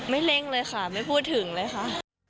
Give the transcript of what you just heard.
เร่งเลยค่ะไม่พูดถึงเลยค่ะ